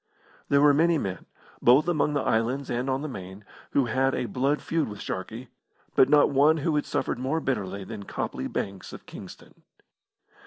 There were many men, both among the islands and on the Main, who had a blood feud with Sharkey, but not one who had suffered more bitterly than Copley Banks, of Kingston.